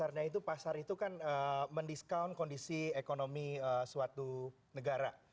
karena pada saat ini pasar itu kan mendiscount kondisi ekonomi suatu negara